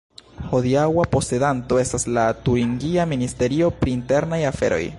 Hodiaŭa posedanto estas la turingia ministerio pri internaj aferoj.